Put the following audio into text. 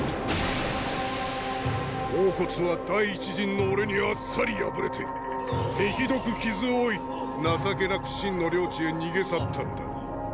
王は第一陣の俺にあっさり敗れて手ひどく傷を負い情けなく秦の領地へ逃げ去ったのだ。